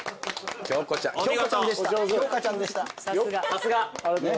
さすが。